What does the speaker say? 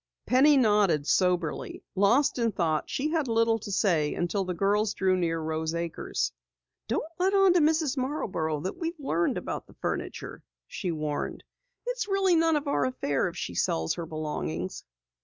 Penny nodded soberly. Lost in thought, she had little to say until the girls drew near Rose Acres. "Don't let on to Mrs. Marborough that we've learned about the furniture," she warned. "It's really none of our affair if she sells her belongings."